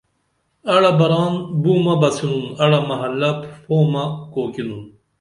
اڑہ بران بُومہ بسِنُن اڑہ محلا پُھومہ کوکِنُون